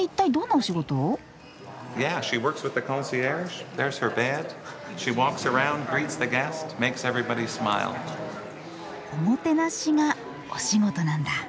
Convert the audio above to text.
おもてなしがお仕事なんだ。